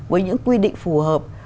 với những quy định phù hợp